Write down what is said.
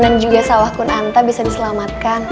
dan juga sawah kun anta bisa diselamatkan